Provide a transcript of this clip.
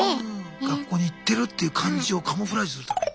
学校に行ってるっていう感じをカモフラージュするために？